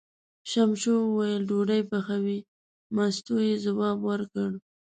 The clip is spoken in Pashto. ششمو وویل: ډوډۍ پخوې، مستو یې ځواب ورکړ.